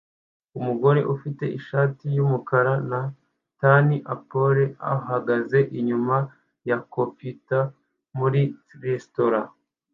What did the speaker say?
Umugore ufite ishati yumukara na tan apron ahagaze inyuma ya comptoir muri resitora